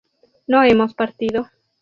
¿no hemos partido?